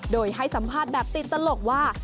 โดยให้สัมภาษณ์แบบติดตลกว่า